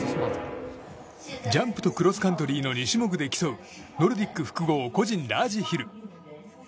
ジャンプとクロスカントリーの２種目で競うノルディック複合個人ラージヒル。